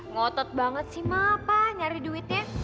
ngotot banget sih ma apa nyari duitnya